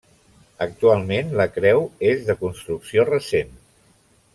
Actualment la creu és de construcció recent.